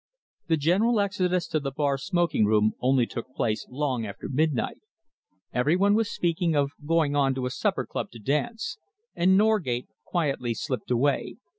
The general exodus to the bar smoking room only took place long after midnight. Every one was speaking of going on to a supper club to dance, and Norgate quietly slipped away.